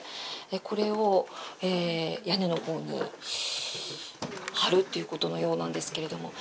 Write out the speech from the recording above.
これを屋根のほうに張るということのようですが。